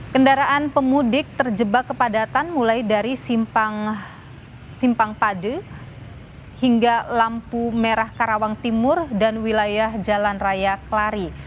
kendaraan pemudik terjebak kepadatan mulai dari simpang pade hingga lampu merah karawang timur dan wilayah jalan raya kelari